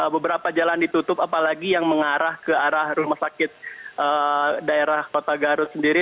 beberapa jalan ditutup apalagi yang mengarah ke arah rumah sakit daerah kota garut sendiri